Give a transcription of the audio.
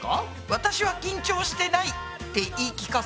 私は緊張してないって言い聞かす。